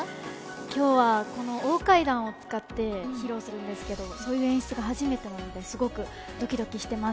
今日は、大階段を使って披露するんですけどそういう演出が初めてなのですごくドキドキしています。